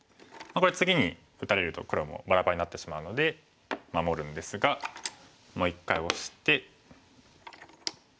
これ次に打たれると黒もばらばらになってしまうので守るんですがもう一回オシて。